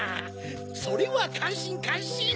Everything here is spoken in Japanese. それはかんしんかんしん！